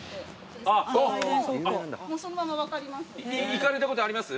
行かれたことあります？